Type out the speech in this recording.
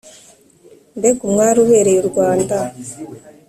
mbega umwari ubereye urwanda